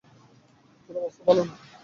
তোর অবস্থা ভালো না।